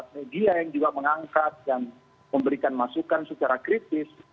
media yang juga mengangkat dan memberikan masukan secara kritis